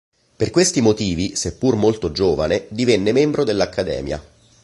Per questi motivi seppur molto giovane divenne membro dell'Accademia.